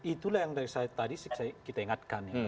itulah yang dari saya tadi kita ingatkan ya